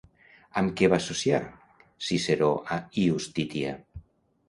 Amb què va associar Ciceró a Iustitia?